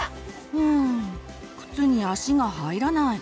うん靴に足が入らない。